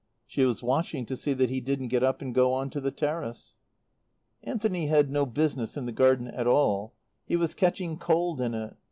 She was watching to see that he didn't get up and go on to the terrace. Anthony had no business in the garden at all. He was catching cold in it.